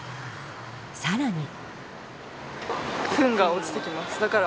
さらに。